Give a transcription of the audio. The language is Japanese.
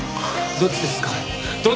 どっちですか！？